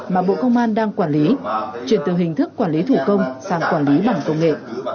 mà bộ công an đang quản lý chuyển từ hình thức quản lý thủ công sang quản lý bằng công nghệ